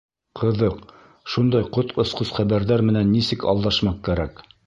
— Ҡыҙыҡ, шундай ҡот осҡос хәбәрҙәр менән нисек алдашмаҡ кәрәк?